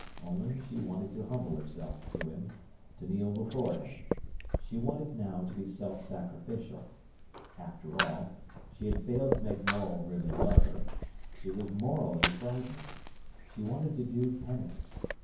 Only she wanted to humble herself to him, to kneel before him. She wanted now to be self sacrificial. After all, she had failed to make Morel really love her. She was morally frightened. She wanted to do penance.